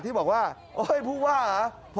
ที่บอกว่าพูดว่าหรอ